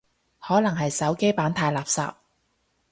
可能係手機版太垃圾